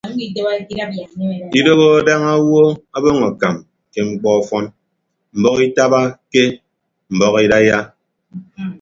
Idooho daña owo ọbọñ akam ke mkpọ ọfọn mbọhọ itabake mbọhọ idaiya.